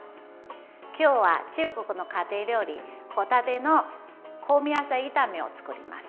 今日は中国の家庭料理帆立ての香味野菜炒めを作ります。